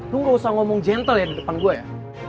lu gak usah ngomong gentle ya di depan gue ya